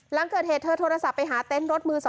หลังเกิดเหตุเธอโทรศัพท์ไปหาเต็นต์รถมือ๒